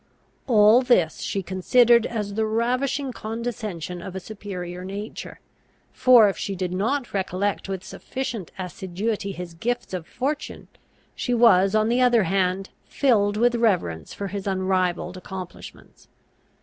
All this she considered as the ravishing condescension of a superior nature; for, if she did not recollect with sufficient assiduity his gifts of fortune, she was, on the other hand, filled with reverence for his unrivalled accomplishments.